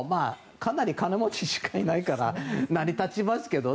かなり金持ちしかいないから成り立ちますけど。